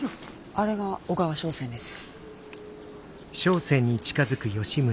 あれが小川笙船ですよ。